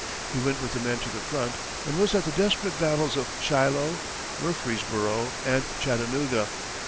He went with the men to the front, and was at the desperate battles of Shiloh, Murfreesboro, and Chattanooga.